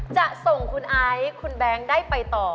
จะส่งคุณไอซ์คุณแบงค์ได้ไปต่อ